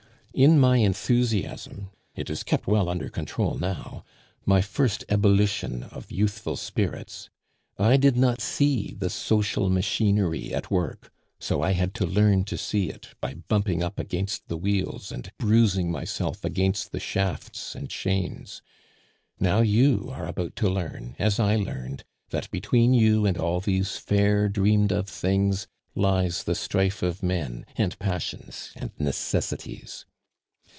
In my enthusiasm (it is kept well under control now), my first ebullition of youthful spirits, I did not see the social machinery at work; so I had to learn to see it by bumping against the wheels and bruising myself against the shafts, and chains. Now you are about to learn, as I learned, that between you and all these fair dreamed of things lies the strife of men, and passions, and necessities.